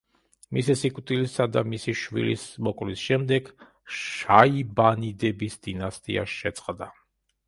მისი სიკვდილსა და მისი შვილის მოკვლის შემდეგ შაიბანიდების დინასტია შეწყდა.